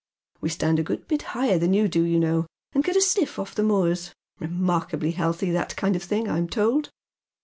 We stand a good bit higher than you do, you know, and get a sniff off the moors — remarkably healthy, that kind of thing, I'm told.